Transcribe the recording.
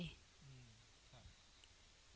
อืม